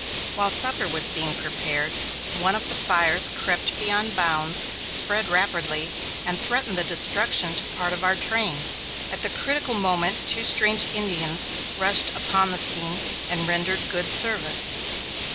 While supper was being prepared, one of the fires crept beyond bounds, spread rapidly, and threatened destruction to part of our train. At the critical moment two strange Indians rushed upon the scene and rendered good service.